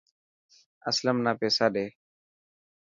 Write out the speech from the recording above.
اسلم نا پيسا ڏي.